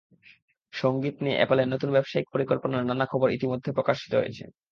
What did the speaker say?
সংগীত নিয়ে অ্যাপলের নতুন ব্যবসায়িক পরিকল্পনার নানা খবর ইতিমধ্যে প্রকাশিত হয়েছে।